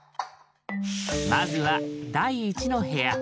まずは第１の部屋。